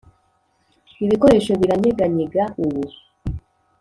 ibikoresho biranyeganyega ubu;